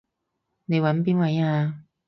你搵邊位啊？